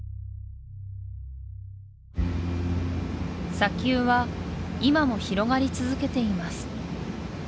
砂丘は今も広がり続けています